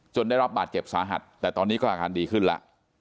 ได้รับบาดเจ็บสาหัสแต่ตอนนี้ก็อาการดีขึ้นแล้ว